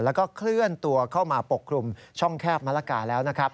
แล้วก็เคลื่อนตัวเข้ามาปกคลุมช่องแคบมะละกาแล้วนะครับ